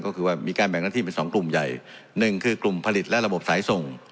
ก็คือว่ามีการแบ่งหน้าที่เป็นสองกลุ่มใหญ่หนึ่งคือกลุ่มผลิตและระบบสายส่ง